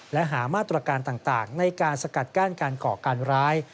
และหามาตรการต่างในการสกัดกั้นการก่อการร้าย